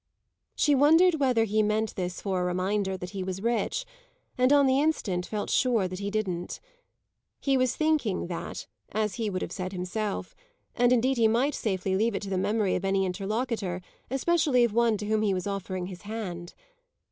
She wondered whether he meant this for a reminder that he was rich, and, on the instant, felt sure that he didn't. He was thinking that, as he would have said himself; and indeed he might safely leave it to the memory of any interlocutor, especially of one to whom he was offering his hand.